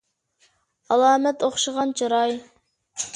ئالامەت ئوخشىغان چىراي.